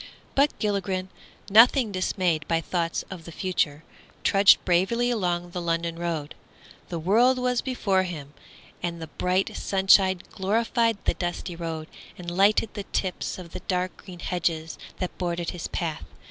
But Gilligren, nothing dismayed by thoughts of the future, trudged bravely along the London road. The world was before him, and the bright sunshine glorified the dusty road and lightened the tips of the dark green hedges that bordered his path.